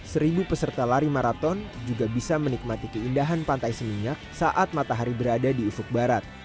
seribu peserta lari maraton juga bisa menikmati keindahan pantai seminyak saat matahari berada di ufuk barat